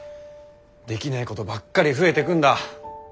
できないことばっかり増えてくんだ。